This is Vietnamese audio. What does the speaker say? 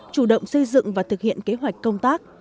chủ động xây dựng và thực hiện kế hoạch công tác